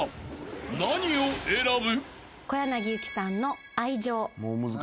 ［何を選ぶ？］